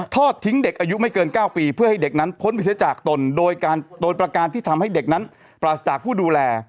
ทอดทิ้งเด็กอายุไม่เกิน๙ปีเพื่อให้เด็กนั้นพ้นไปเสียจากตนโดยการโดยประการที่ทำให้เด็กนั้นปราศจากผู้ดูแล